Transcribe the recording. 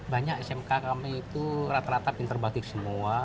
banyak smk kami itu rata rata pinter batik semua